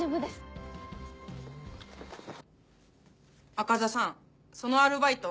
赤座さんそのアルバイト